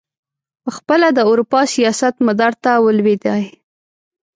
پخپله د اروپا سیاست مدار ته ولوېدی.